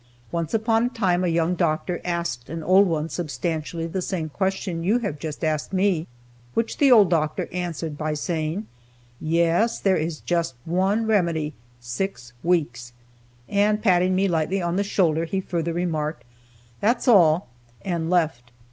Once upon a time a young doctor asked an old one substantially the same question you have just asked me, which the old doctor answered by saying: 'Yes, there is just one remedy: six weeks'." And, patting me lightly on the shoulder, he further remarked, "That's all;" and left.